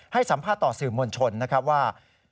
ให้สัมภาษณ์ต่อสื่อมวลชนนะครับว่า